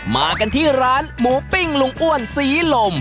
มากันที่ร้านหมูปิ้งลุงอ้วนศรีลม